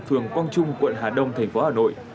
phường quang trung quận hà đông thành phố hà nội